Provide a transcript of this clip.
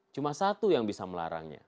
cuma satu yang bisa melarangnya